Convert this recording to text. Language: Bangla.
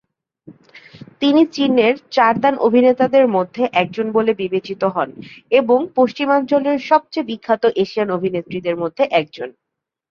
তিনি চীন এর চার দান অভিনেতাদের মধ্যে একজন বলে বিবেচিত হন, এবং পশ্চিমাঞ্চলের সবচেয়ে বিখ্যাত এশিয়ান অভিনেত্রীদের মধ্যে একজন।